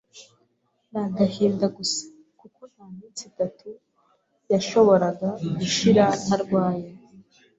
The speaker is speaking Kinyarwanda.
n’agahinda gusa kuko nta minsi itatu yashoboraga gushira ntarwaye,